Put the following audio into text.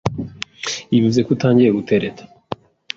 Ibi bivuze ko utangiye gutereta,